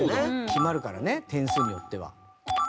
決まるからね点数によっては。